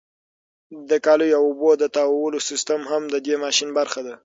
د کالیو او اوبو د تاوولو سیستم هم د دې ماشین برخه ده.